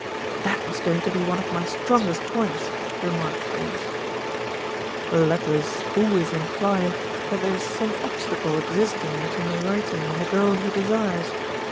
"That was going to be one of my strongest points," remarked Freynes. "The letters always imply that there is some obstacle existing between the writer and the girl he desires.